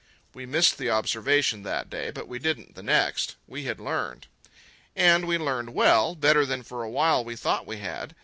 We missed the observation that day, but we didn't the next. We had learned. And we learned well, better than for a while we thought we had.